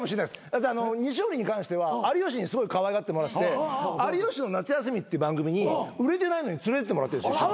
だって西堀に関しては有吉にすごいかわいがってもらってて『有吉の夏休み』って番組に売れてないのに連れてってもらってんですよ。